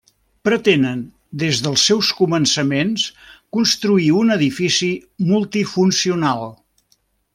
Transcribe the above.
Pretenen des dels seus començaments construir un edifici multifuncional.